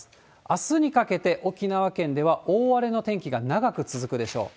あすにかけて、沖縄県では大荒れの天気が長く続くでしょう。